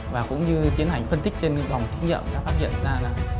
và cũng như tiến hành phân tích trên vòng kinh nghiệm đã phát hiện ra là